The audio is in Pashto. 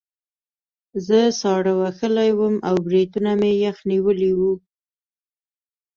زه ساړه وهلی وم او بریتونه مې یخ نیولي وو